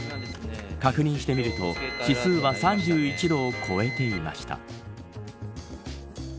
確認してみると指数は３１度を超えていました。